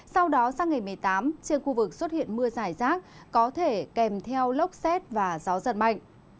sau đó sang ngày một mươi tám trên khu vực xuất hiện mưa giải rác có thể kèm theo lốc xét và gió giật mạnh